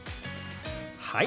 はい。